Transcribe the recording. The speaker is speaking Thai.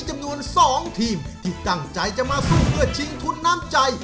จำนวน๒ทีมที่ตั้งใจจะมาสู้เพื่อชิงทุนน้ำใจ